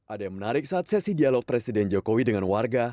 ada yang menarik saat sesi dialog presiden jokowi dengan warga